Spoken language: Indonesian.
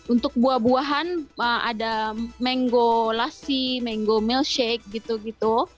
untuk buah buahan ada mango lassi mango milkshake gitu gitu